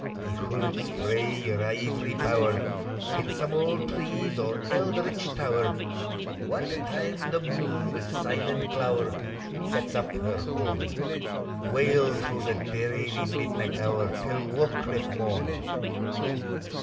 Ye houlets, frae your ivy bower, In some auld tree, or eldritch tower, What time the moon, wi' silent glower, Sets up her horn, Wail thro' the dreary midnight hour Till waukrife morn.